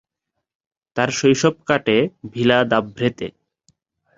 তার শৈশব কাটে ভিলা-দাভ্রেতে।